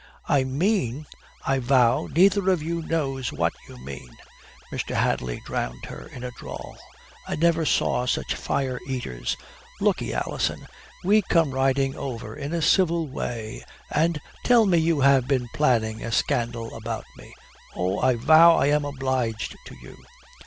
"I mean " "I vow neither of you knows what you mean," Mr. Hadley drowned her in a drawl. "I never saw such fire eaters. Look 'e, Alison, we come riding over in a civil way and " "Tell me you have been planning a scandal about me. Oh, I vow I am obliged to you."